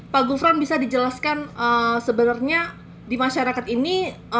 pak gufron bisa dijelaskan sebenarnya di masyarakat ini